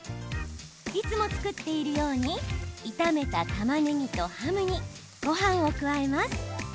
いつも作っているように炒めたたまねぎとハムにごはんを加えます。